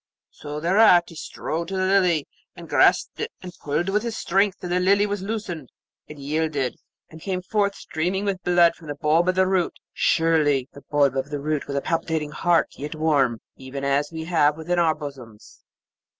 So thereat he strode to the Lily, and grasped it, and pulled with his strength; and the Lily was loosened, and yielded, and came forth streaming with blood from the bulb of the root; surely the bulb of the root was a palpitating heart, yet warm, even as that we have within our bosoms.